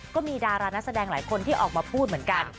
ก็มีดารานักแสดงหลายคนที่ออกมาพูดเหมือนกัน